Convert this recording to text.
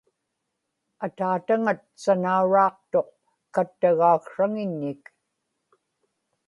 ataataŋat sanauraaqtuq kattagaaksraŋiññik